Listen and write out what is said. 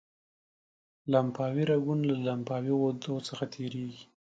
لمفاوي رګونه له لمفاوي غوټو څخه تیریږي.